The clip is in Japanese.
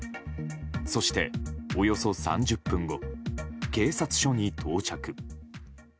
そして、およそ３０分後警察署に到着。